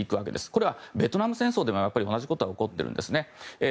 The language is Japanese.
これは、ベトナム戦争でも同じことが起こっているんですね。